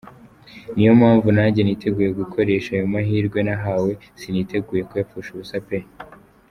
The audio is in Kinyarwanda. Niyo mpamvu nanjye niteguye gukoresha ayo mahirwe nahawe, siniteguye kuyapfusha ubusa pe !”.